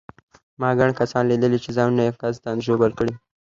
ما ګڼ کسان لیدلي چې ځانونه یې قصداً ژوبل کړي.